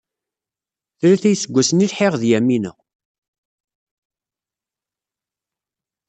Tlata iseggasen i lḥiɣ d Yamina.